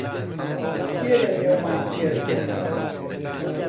کێ لەنێومان پێرفێکتە؟